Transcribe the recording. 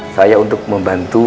saya untuk membantu